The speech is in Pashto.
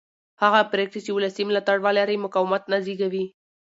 هغه پرېکړې چې ولسي ملاتړ ولري مقاومت نه زېږوي